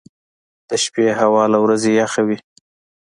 • د شپې هوا له ورځې یخه وي.